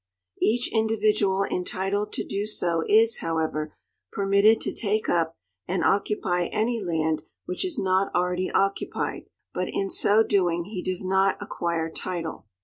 Each individual entitled to do so is, however, ijermitted to take up and occup}' any land which is not already occupied, but in so doing he does not acquire title.